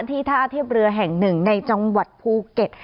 ที่ท่าทีบเรือแห่ง๑ในจังหวัดภูเก็ต